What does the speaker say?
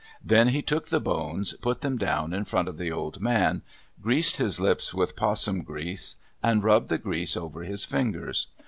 Then he took the bones, put them down in front of the old man, greased his lips with 'possum grease, and rubbed the grease over his fingers.